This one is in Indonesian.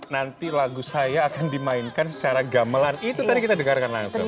nanti lagu saya akan dimainkan secara gamelan itu tadi kita dengarkan langsung